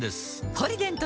「ポリデント」